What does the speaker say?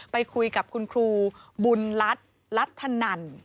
ไปคุยกับคุณครูบุญรัฐรัฐนัน